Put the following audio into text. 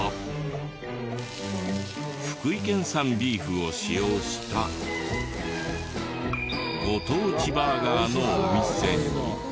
福井県産ビーフを使用したご当地バーガーのお店に。